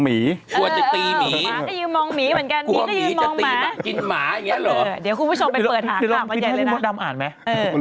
พี่โบ๊ตดำอ่านไหม